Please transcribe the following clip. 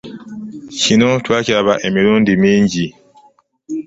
Kino twakiraba emirundi mingi.